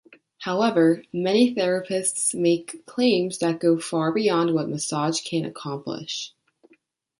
However, many therapists make claims that go far beyond what massage can accomplish.